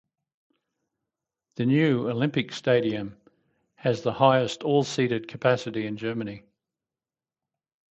The new Olympic Stadium has the highest all-seated capacity in Germany.